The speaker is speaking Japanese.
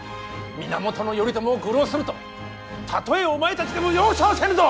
源頼朝を愚弄するとたとえお前たちでも容赦はせぬぞ！